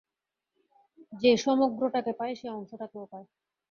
যে সমগ্রটাকে পায়, সে অংশটাকেও পায়।